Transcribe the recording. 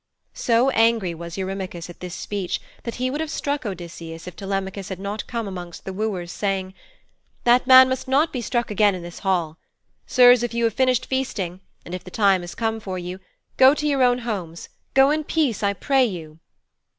So angry was Eurymachus at this speech that he would have struck Odysseus if Telemachus had not come amongst the wooers, saying, 'That man must not be struck again in this hall. Sirs, if you have finished feasting, and if the time has come for you, go to your own homes, go in peace I pray you.'